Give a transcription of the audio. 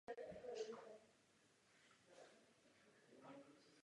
Brána do tohoto předhradí byla jen otvorem s vraty bez příkopu a mostu.